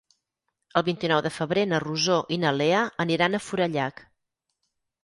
El vint-i-nou de febrer na Rosó i na Lea aniran a Forallac.